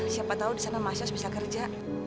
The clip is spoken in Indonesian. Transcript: siapa tahu di sana mas yos bisa kerja